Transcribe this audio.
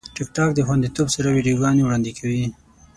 ټیکټاک د خوندیتوب سره ویډیوګانې وړاندې کوي.